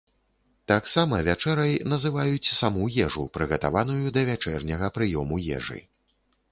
Таксама вячэрай называюць саму ежу, прыгатаваную для вячэрняга прыёму ежы.